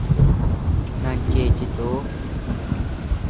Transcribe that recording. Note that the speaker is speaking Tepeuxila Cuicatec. Nan cheche toʼo.